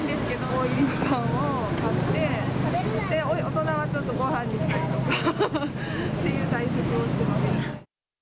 大入りのパンを買って、大人はちょっとごはんにしたりとかっていう対策をしてます。